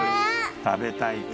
食べたいか？